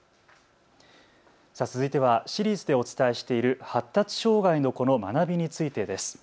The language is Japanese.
続いてはシリーズでお伝えしている発達障害の子の学びについてです。